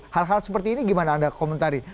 hal hal seperti ini gimana anda komentari